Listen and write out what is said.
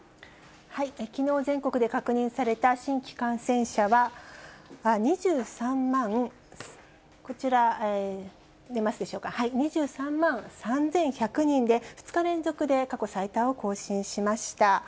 きのう、全国で確認された新規感染者は、２３万、こちら出ますでしょうか、２３万３１００人で、２日連続で過去最多を更新しました。